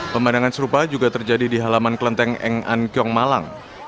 pemandangan serupa juga terjadi di halaman kelenteng eng ankyong malang